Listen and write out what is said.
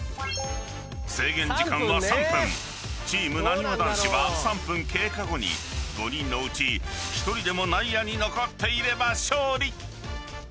［チームなにわ男子は３分経過後に５人のうち１人でも内野に残っていれば勝利］